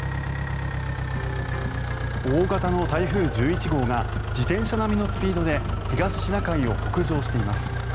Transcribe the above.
大型の台風１１号が自転車並みのスピードで東シナ海を北上しています。